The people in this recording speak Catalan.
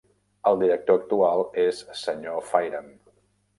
El director actual és senyor Fayram.